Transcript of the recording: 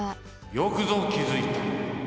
・よくぞきづいた！